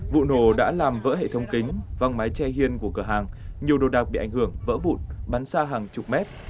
vụ nổ đã làm vỡ hệ thống kính văng mái che hiên của cửa hàng nhiều đồ đạc bị ảnh hưởng vỡ vụn bắn xa hàng chục mét